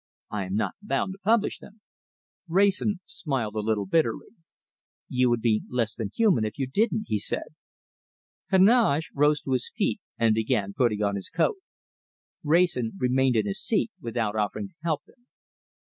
I am not bound to publish them." Wrayson smiled a little bitterly. "You would be less than human if you didn't," he said. Heneage rose to his feet and began putting on his coat. Wrayson remained in his seat, without offering to help him.